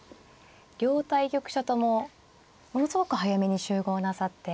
両対局者ともものすごく早めに集合なさって。